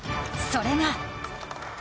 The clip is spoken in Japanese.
それが。